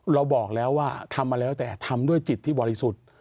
เราบอกแล้วว่าทำมาแล้วแต่ทำด้วยจิตที่บริสุทธิ์